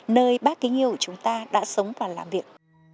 nơi bác kính yêu của chúng ta đã sống và làm việc